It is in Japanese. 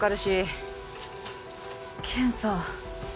検査。